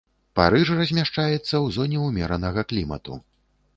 Парыж размяшчаецца ў зоне умеранага клімату.